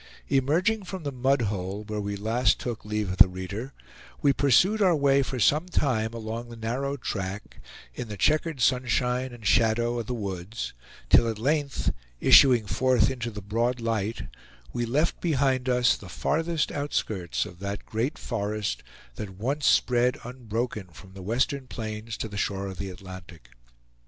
Emerging from the mud hole where we last took leave of the reader, we pursued our way for some time along the narrow track, in the checkered sunshine and shadow of the woods, till at length, issuing forth into the broad light, we left behind us the farthest outskirts of that great forest, that once spread unbroken from the western plains to the shore of the Atlantic.